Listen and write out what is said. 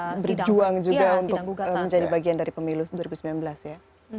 kita berjuang juga untuk menjadi bagian dari pemilu dua ribu sembilan belas ya